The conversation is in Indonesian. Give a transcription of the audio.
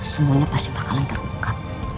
semuanya pasti akan terbuka